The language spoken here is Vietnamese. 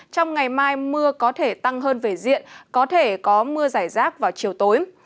trong ngày mai mưa có thể tăng hơn về diện có thể có mưa giải rác vào chiều tối